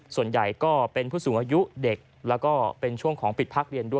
ส่วนใหญ่ก็เป็นผู้สูงอายุเด็กแล้วก็เป็นช่วงของปิดพักเรียนด้วย